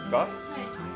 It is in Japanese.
はい。